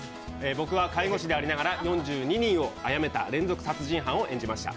僕は介護士でありながら４２人をあやめた連続殺人犯を演じました。